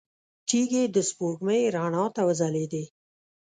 تيږې د سپوږمۍ رڼا ته وځلېدې.